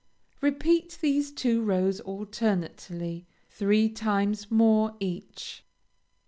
Repeat these two rows alternately three times more each.